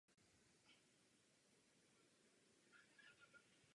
Když dovolíte, pane komisaři, učinil bych nezávazný návrh.